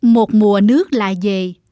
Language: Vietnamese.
một mùa nước lại về